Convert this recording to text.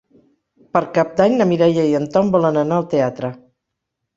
Per Cap d'Any na Mireia i en Tom volen anar al teatre.